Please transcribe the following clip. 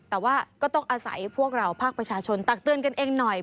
แต่ว่าก็ต้องอาศัยพวกเราภาคประชาชนตักเตือนกันเองหน่อย